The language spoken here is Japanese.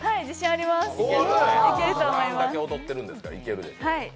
あれだけ踊ってるんですからいけるでしょう。